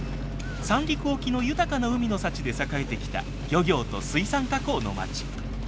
三陸沖の豊かな海の幸で栄えてきた漁業と水産加工の町。